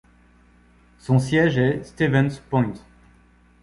Son siège est Stevens Point.